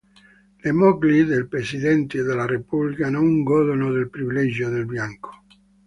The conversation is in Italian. Le mogli dei presidenti della repubblica non godono del privilegio del bianco.